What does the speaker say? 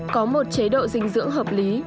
có một chế độ dinh dưỡng hợp lý